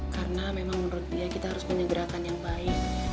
karena memang menurut dia kita harus punya gerakan yang baik